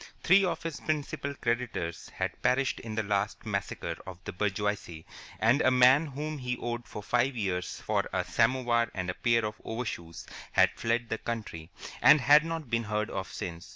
Three of his principal creditors had perished in the last massacre of the bourgeoisie, and a man whom he owed for five years for a samovar and a pair of overshoes had fled the country, and had not been heard of since.